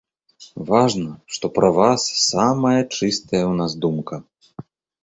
Важна, што пра вас самая чыстая ў нас думка.